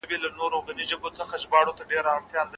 هڅه وکړه چې له تېروتنو زده کړه وکړې.